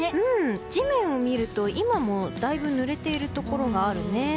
地面を見ると今もだいぶぬれているところがあるね。